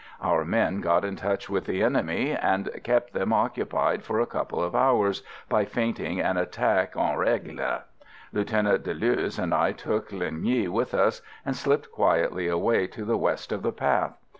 Our men got in touch with the enemy, and kept them occupied for a couple of hours by feinting an attack en règle. Lieutenant Deleuze and I took Linh Nghi with us, and slipped quietly away to the west of the path.